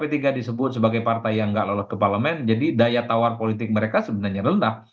p tiga disebut sebagai partai yang gak lolos ke parlemen jadi daya tawar politik mereka sebenarnya rendah